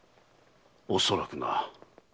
恐らくな。